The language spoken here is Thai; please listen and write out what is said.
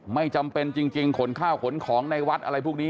ไม่จำเป็นจริงขนข้าวขนของในวัดอะไรพวกนี้